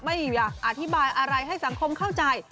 ไม่อยากอธิบายอะไรให้สังคมเข้าใจ